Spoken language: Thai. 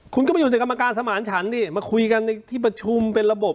คุณก็ไปอยู่ในกรรมการสมานฉันนี่มาคุยกันในที่ประชุมเป็นระบบ